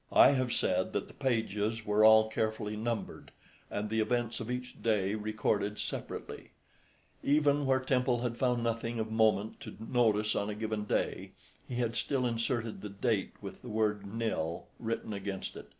I have said that the pages were all carefully numbered, and the events of each day recorded separately; even where Temple had found nothing of moment to notice on a given day, he had still inserted the date with the word nil written against it.